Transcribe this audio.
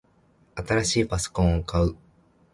新しいパソコンを買う